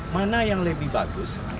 mana yang lebih bagus